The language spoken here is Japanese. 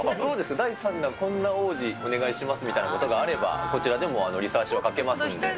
第３弾こんな王子、お願しますみたいなことがあれば、こちらでもリサーチをかけますので。